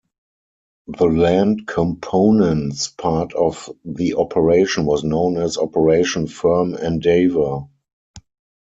The Land Component's part of the operation was known as Operation Firm Endeavour.